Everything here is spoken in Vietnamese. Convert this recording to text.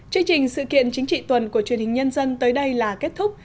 chương trình sự kiện chính trị tuần của truyền hình nhân dân tới đây là kết thúc